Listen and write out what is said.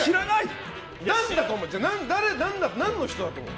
じゃあ何の人だと思う？